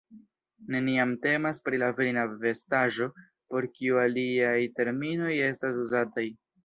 Neniam temas pri la virina vestaĵo, por kiu aliaj terminoj estas uzataj.